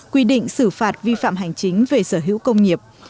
quy định xử phạt vi phạm hành chính về sở hữu công nghiệp